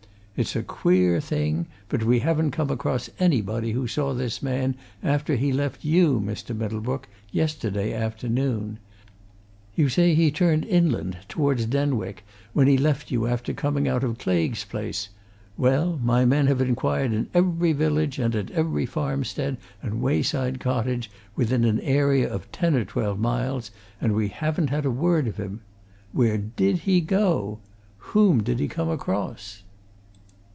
It's a queer thing, but we haven't come across anybody who saw this man after he left you, Mr. Middlebrook, yesterday afternoon. You say he turned inland, towards Denwick, when he left you after coming out of Claigue's place well, my men have inquired in every village and at every farmstead and wayside cottage within an area of ten or twelve miles, and we haven't heard a word of him. Where did he go? Whom did he come across?"